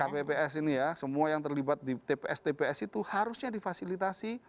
kpps ini ya semua yang terlibat di tps tps itu harusnya difasilitasi